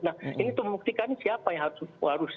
nah ini itu membuktikan siapa yang harus